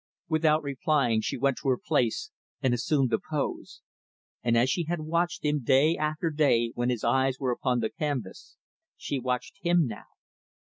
Without replying, she went to her place and assumed the pose; and, as she had watched him day after day when his eyes were upon the canvas, she watched him now.